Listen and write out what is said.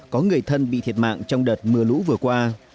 có người thân bị thiệt mạng trong đợt mưa lũ vừa qua